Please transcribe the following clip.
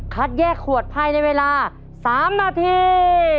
แยกขวดภายในเวลา๓นาที